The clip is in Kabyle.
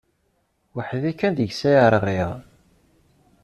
Weḥd-i kan deg-s ay rɣiɣ.